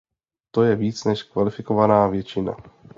To je víc než kvalifikovaná většina.